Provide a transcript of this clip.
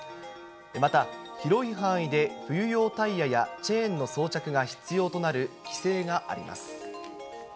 また、広い範囲で冬用タイヤやチェーンの装着が必要となる規制がありま